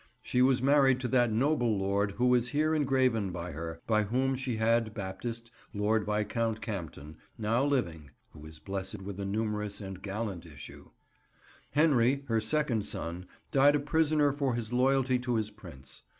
She was married to that noble Lord who is here engraven by her, by whom she had Baptist, Lord Viscount Campden, now living (who is blessed with a numerous and gallant issue). Henry, her second son, died a prisoner for his loyalty to his Prince.